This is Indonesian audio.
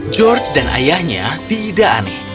george dan ayahnya tidak aneh